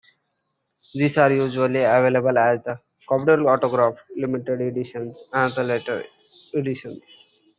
These are usually available as collectible autographed limited editions and lettered editions.